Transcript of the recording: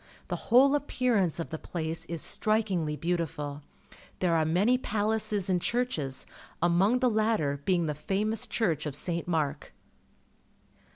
The whole appearance of the place is strikingly beautiful. There are many palaces and churches, among the latter being the famous church of St. Mark.